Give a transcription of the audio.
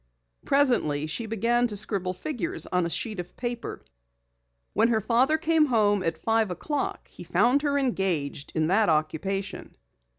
Presently, she began to scribble figures on a sheet of paper. When her father came home at five o'clock he found her engaged in that occupation.